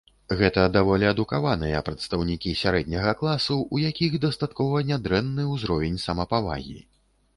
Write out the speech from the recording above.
Гэта даволі адукаваныя прадстаўнікі сярэдняга класу, у якіх дастаткова нядрэнны ўзровень самапавагі.